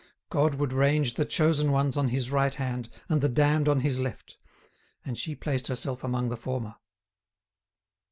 God would range the chosen ones on His right hand and the damned on His left, and she placed herself among the former.